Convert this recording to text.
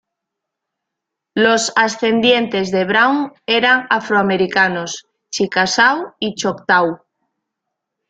Los ascendientes de Brown era afroamericanos, chickasaw y choctaw.